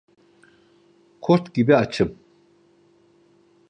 Kurt gibi açım.